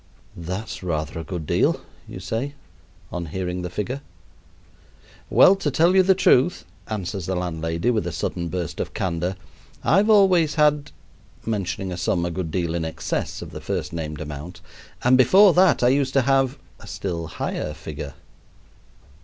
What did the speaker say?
"That's rather a good deal," you say on hearing the figure. "Well, to tell you the truth," answers the landlady with a sudden burst of candor, "I've always had" (mentioning a sum a good deal in excess of the first named amount), "and before that I used to have" (a still higher figure).